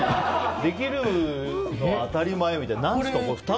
できるのは当たり前みたいな。